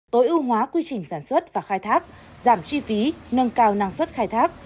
tối ưu hóa quy trình sản xuất và khai thác giảm chi phí nâng cao năng suất khai thác